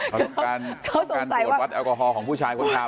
เขาสงสัยว่าตรวจวัดแอลกอฮอล์ของผู้ชายคนขับ